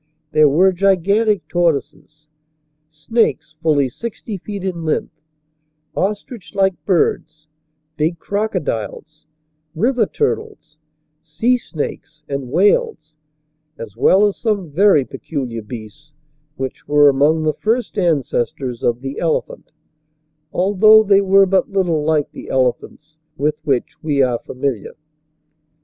/There were gigantic tortoises, snakes fully sixty feet in length, ostrich like birds, big crocodiles, river turtles, sea snakes, and whales, as well as some very peculiar beasts which were among the first ancestors of the ele phant, although they were but little like the ele phants with which we are familiar.